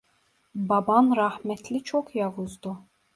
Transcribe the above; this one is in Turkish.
Baban rahmetli çok yavuzdu.